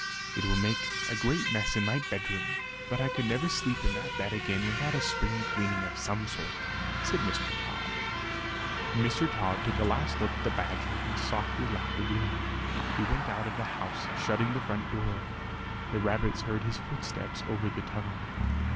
"It will make a great mess in my bedroom; but I could never sleep in that bed again without a spring cleaning of some sort," said Mr. Tod. Mr. Tod took a last look at the badger and softly left the room. He went out of the house, shutting the front door. The rabbits heard his footsteps over the tunnel.